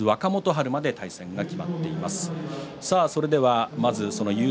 若元春まで対戦が決まっています。